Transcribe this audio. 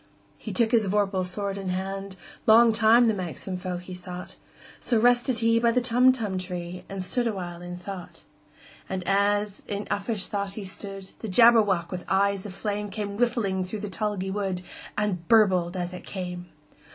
He took his vorpal sword in hand:Long time the manxome foe he sought—So rested he by the Tumtum tree, And stood awhile in thought. And as in uffish thought he stood, The Jabberwock, with eyes of flame, Came whiffling through the tulgey wood, And burbled as it came!